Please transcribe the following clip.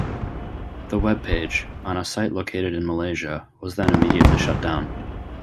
The web page, on a site located in Malaysia, was then immediately shut down.